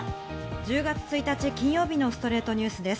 １０月１日、金曜日の『ストレイトニュース』です。